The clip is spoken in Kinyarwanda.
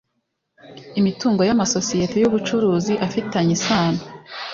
Imitungo y’amasosiyete y’ubucuruzi afitanye isano